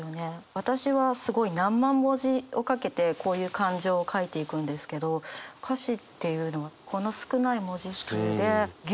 私はすごい何万文字をかけてこういう感情を書いていくんですけど歌詞っていうのはこの少ない文字数でぎゅっとイメージを膨らますっていう。